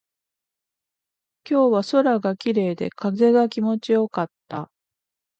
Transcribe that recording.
今日は空が綺麗で、風が気持ちよかった。